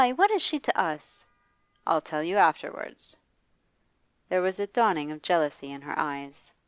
What is she to us?' 'I'll tell you afterwards.' There was a dawning of jealousy in her eyes.